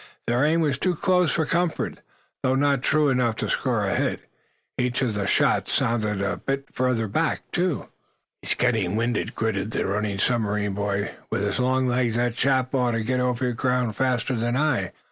Their aim was too close for comfort, though not true enough to score a hit. Each of the shots sounded a bit further back, too. "He's getting winded," gritted the running submarine boy. "With his long legs that chap ought to get over ground faster than I.